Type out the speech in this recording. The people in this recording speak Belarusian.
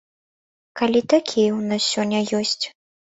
Калі такія ў нас сёння ёсць.